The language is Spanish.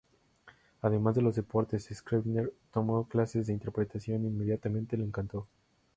Además de los deportes, Scribner tomó clases de interpretación e inmediatamente le encantó.